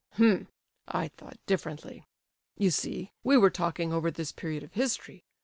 "H'm; I thought differently. You see, we were talking over this period of history.